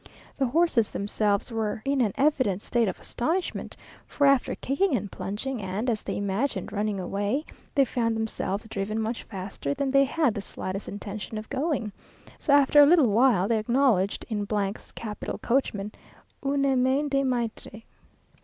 The horses themselves were in an evident state of astonishment, for after kicking and plunging, and, as they imagined, running away, they found themselves driven much faster than they had the slightest intention of going: so after a little while they acknowledged, in 's capital coachman, une main de maître.